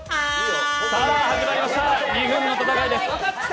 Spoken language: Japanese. さぁ、始まりました２分の戦いです。